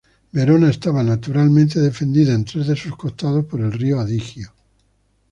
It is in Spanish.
Verona estaba naturalmente defendida en tres de sus costados por el río Adigio.